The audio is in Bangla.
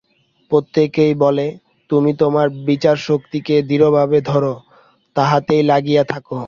প্রত্যেকেই বলে, তুমি তোমার বিচারশক্তিকে দৃঢ়ভাবে ধর, তাহাতেই লাগিয়া থাক।